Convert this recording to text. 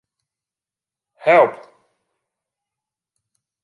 Help.